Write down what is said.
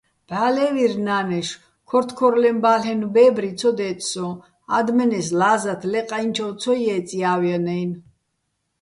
ბჵა́ ლე́ვირ ნა́ნეშო̆: ქორთქორლეჼბა́ლენო̆ ბე́ბრი ცო დე́წსოჼ, ა́დმენეს ლა́ზათ ლე ყაჲნჩოვ ცო ჲეწე̆ ჲა́ვანაჲნო̆.